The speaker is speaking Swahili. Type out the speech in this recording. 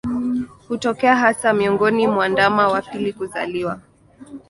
Hutokea hasa miongoni mwa ndama wa pili kuzaliwa